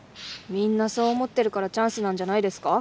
みんなそう思ってるからチャンスなんじゃないですか。